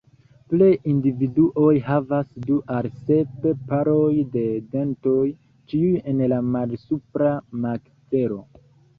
Plej individuoj havas du al sep paroj de dentoj, ĉiuj en la malsupra makzelo.